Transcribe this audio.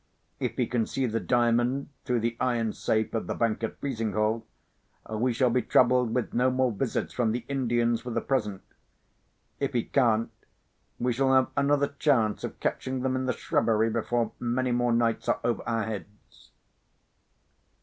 If he can see the Diamond through the iron safe of the bank at Frizinghall, we shall be troubled with no more visits from the Indians for the present. If he can't, we shall have another chance of catching them in the shrubbery, before many more nights are over our heads."